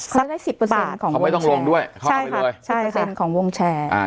เขาได้สิบเปอร์เซ็นต์ของไม่ต้องลงด้วยใช่ค่ะของวงแชร์อ่า